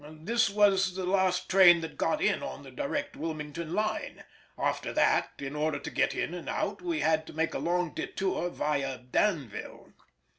This was the last train that got in on the direct Wilmington line; after that, in order to get in and out, we had to make a long detour viâ Danville.